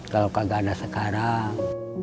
kalau kagak ada sekarang